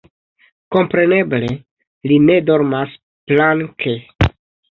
Kompreneble, li ne dormas planke.